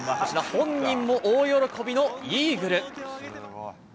本人も大喜びのイーグル。